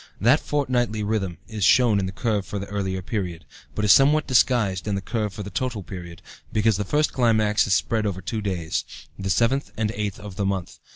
The fortnightly rhythm is shown in the curve for the earlier period, but is somewhat disguised in the curve for the total period, because the first climax is spread over two days, the 7th and 8th of the month.